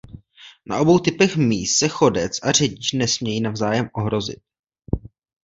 Na obou typech míst se chodec a řidič nesmějí navzájem ohrozit.